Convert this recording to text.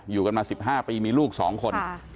อยู่กันมา๑๕ปีมีลูก๒คน